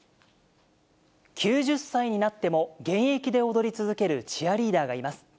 ９０歳になっても現役で踊り続けるチアリーダーがいます。